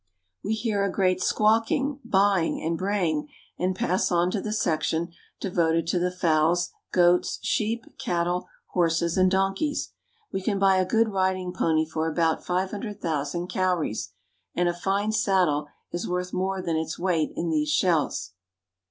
We hear a great squawking, baaing, and braying, and pass on to the section devoted to the fowls, goats, sheep, cattle, horses, and donkeys. We can buy a good riding pony for about five hundred thousand cowries ; and a fine saddle is worth more than its weight in these shells.